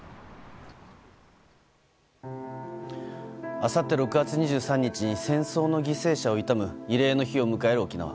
あさって６月２３日に戦争の犠牲者を悼む慰霊の日を迎える沖縄。